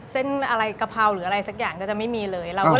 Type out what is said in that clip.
เส้นอะไรกะเพราหรืออะไรสักอย่างก็จะไม่มีเลย